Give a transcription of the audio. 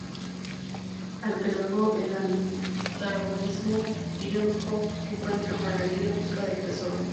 Al que luego, el antagonista, Ian Howe, secuestra para ir en busca del tesoro.